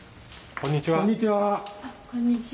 こんにちは。